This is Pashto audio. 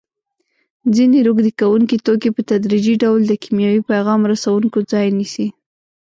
ځینې روږدې کوونکي توکي په تدریجي ډول د کیمیاوي پیغام رسوونکو ځای نیسي.